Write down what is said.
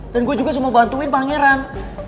dan gue juga cuma bantuin pangeran